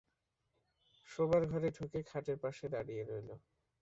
শোবার ঘরে ঢুকে খাটের পাশে দাঁড়িয়ে রইল।